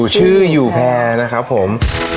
ชื่ออยู่แพร่นะครับผม